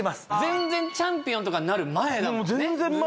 全然チャンピオンとかになる前だもんね